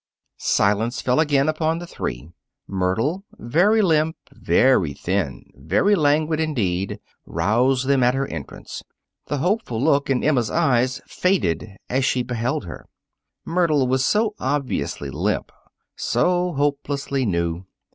Silence fell again upon the three. Myrtle, very limp, very thin, very languid indeed, roused them at her entrance. The hopeful look in Emma's eyes faded as she beheld her. Myrtle was so obviously limp, so hopelessly new.